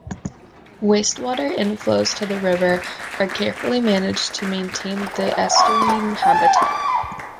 Waste water inflows to the river are carefully managed to maintain the estuarine habitat.